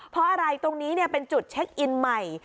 เพราะอะไรตรงนี้เป็นจุดเช็คอินใหม่